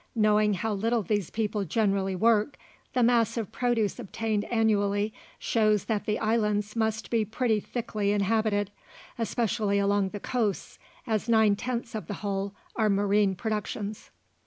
Knowing how little these people generally work, the mass of produce obtained annually shows that the islands must be pretty thickly inhabited, especially along the coasts, as nine tenths of the whole are marine productions.